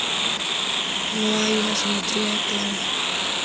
No hay una simetría clara.